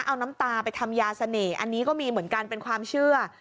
เอาน้ำตาไปทำยาเสน่ห์อันนี้ก็มีเหมือนกันเป็นความเชื่อ